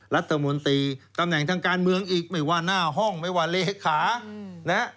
รัฐมนตรีตำแหน่งทางการเมืองอีกไม่ว่าหน้าห้องไม่ว่าเลขานะฮะ